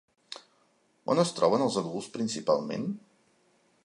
On es troben els adults principalment?